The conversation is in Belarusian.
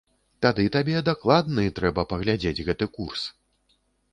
Тады табе дакладны трэба паглядзець гэты курс!